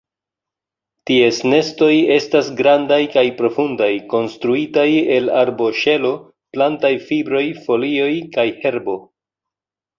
Ties nestoj estas grandaj kaj profundaj, konstruitaj el arboŝelo, plantaj fibroj, folioj kaj herbo.